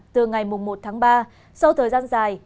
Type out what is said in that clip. từ ngày một tháng ba sau thời gian dài